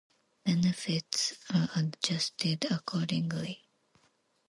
Benefits are adjusted accordingly.